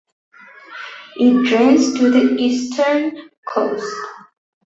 It drains to the eastern coast.